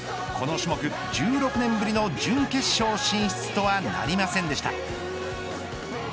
この種目１６年ぶりの準決勝進出とはなりませんでした。